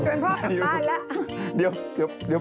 ฉันพ่อกลับไปละ